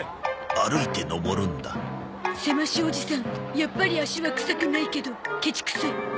やっぱり足は臭くないけどケチくさい。